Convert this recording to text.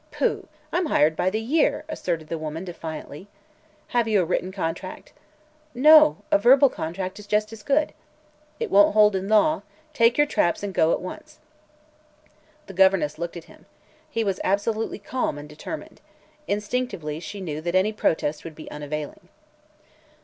Pooh! I'm hired by the year," asserted the woman defiantly. "Have you a written contract?" "No; a verbal contract is just as good." "It won't hold in law. Take your traps and go at once." The governess looked at him. He was absolutely calm and determined. Instinctively she knew that any protest would be unavailing.